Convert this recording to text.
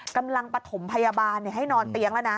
กำลังปฐมพยาบาลให้นอนเตียงแล้วนะ